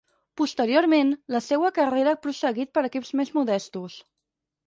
Posteriorment, la seua carrera ha prosseguit per equips més modestos.